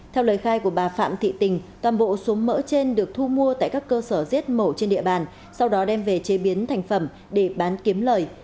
theo lời khai của bà phạm thị tình toàn bộ số mỡ trên được thu mua tại các cơ sở giết mổ trên địa bàn sau đó đem về chế biến thành phẩm để bán kiếm lời